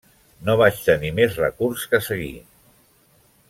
No vaig tenir més recurs que seguir.